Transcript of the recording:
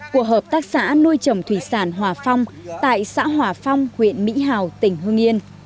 của hợp tác xã nuôi trồng thủy sản hòa phong tại xã hòa phong huyện mỹ hào tỉnh hương yên